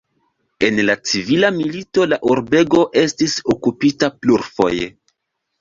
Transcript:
En la civila milito la urbego estis okupita plurfoje.